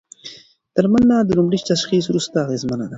درملنه د لومړي تشخیص وروسته اغېزمنه ده.